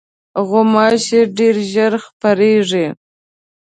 غوماشې ډېر ژر خپرېږي.